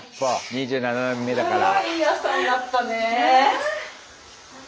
２７年目だから。